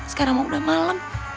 sekarang mau udah malem